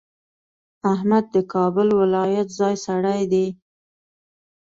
احمد د کابل ولایت ځای سړی دی.